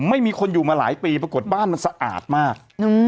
ไม่มีคนอยู่มาหลายปีปรากฏบ้านมันสะอาดมาก